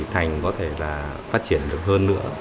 thành có thể là phát triển được hơn nữa